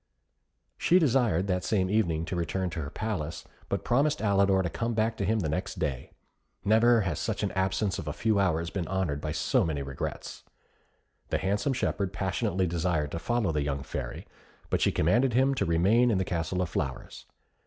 She desired, that same evening, to return to her palace; but promised Alidor to come back to him the next day. Never has an absence of a few hours been honoured by so many regrets. The handsome shepherd passionately desired to follow the young Fairy, but she commanded him to remain in the Castle of Flowers.